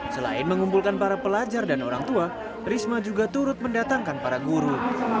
selain mengumpulkan para pelajar dan orang tua risma juga turut mendatangkan para guru